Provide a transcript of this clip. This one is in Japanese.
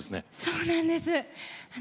そうなんです。